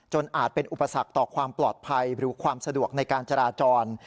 อาจเป็นอุปสรรคต่อความปลอดภัยหรือความสะดวกในการจราจร